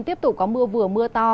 tiếp tục có mưa vừa mưa to